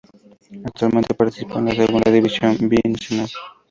Actualmente participa en la Segunda División B Nacional.